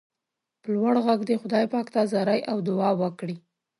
په لوړ غږ دې خدای پاک ته زارۍ او دعا وکړئ.